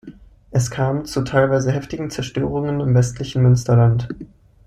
Es kam zu teilweise heftigen Zerstörungen im westlichen Münsterland.